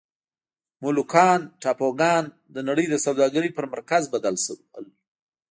مولوکان ټاپوګان د نړۍ د سوداګرۍ پر مرکز بدل شول.